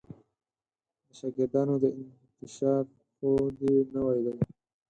د شاګردانو دا انکشاف خو دې نوی دی.